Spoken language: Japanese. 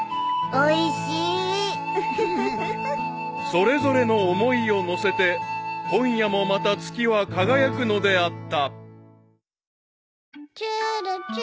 ［それぞれの思いを乗せて今夜もまた月は輝くのであった］